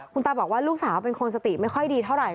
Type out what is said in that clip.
คุณตาบอกว่าลูกสาวเป็นคนสติไม่ค่อยดีเท่าไหร